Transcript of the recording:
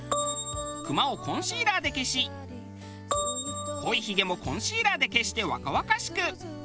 クマをコンシーラーで消し濃いヒゲもコンシーラーで消して若々しく。